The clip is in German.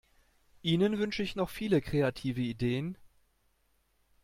Ihnen wünsche ich noch viele kreative Ideen!